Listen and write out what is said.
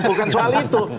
bukan soal itu